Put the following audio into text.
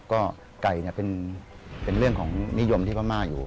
ก็ไก่เป็นเรื่องของนิยมที่พม่าอยู่